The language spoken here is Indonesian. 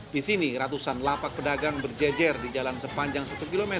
di sini ratusan lapak pedagang berjejer di jalan sepanjang satu km